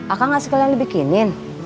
akang gak sekalian dibikinin